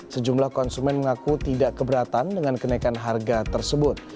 sejumlah konsumen mengaku tidak keberatan dengan kenaikan harga tersebut